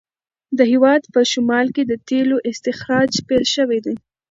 د هیواد په شمال کې د تېلو استخراج پیل شوی دی.